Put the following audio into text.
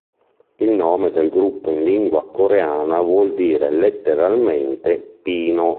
Il nome del gruppo in lingua coreana vuol dire letteralmente "pino".